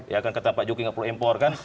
ya kan kata pak joki gak perlu impor kan